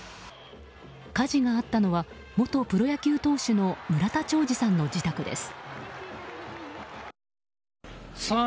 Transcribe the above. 火事があったのは元プロ野球投手の村田兆治さんの自宅です。